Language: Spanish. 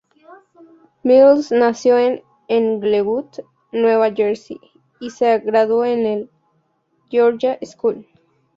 Mills nació en Englewood, Nueva Jersey y se graduó en la "George School".